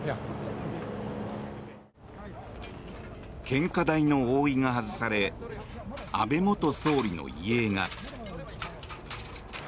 献花台の覆いが外され安倍元総理の遺影が。